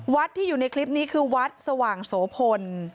ที่อยู่ในคลิปนี้คือวัดสว่างโสพล